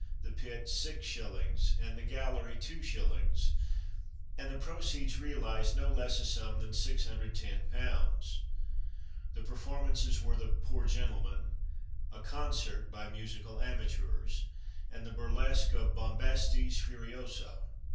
the pit, 6s., and the gallery, 2s.; and the proceeds realised no less a sum than 610 pounds! The performances were the "Poor Gentleman," "A Concert," by musical amateurs, and the burlesque of "Bombastes Furioso."